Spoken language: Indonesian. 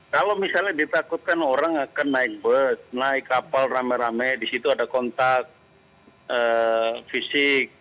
kalau misalnya ditakutkan orang akan naik bus naik kapal rame rame di situ ada kontak fisik